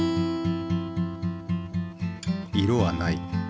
色は無い。